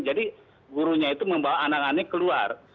jadi gurunya itu membawa anak anak keluar